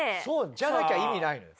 じゃなきゃ意味ないのよ。